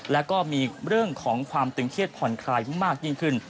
แล้วก็มีเรื่องของความตึงเครียดผ่อนคลายมากยิ่งขึ้น